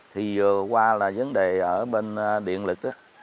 thì vừa qua là vấn đề ở bên điện lực á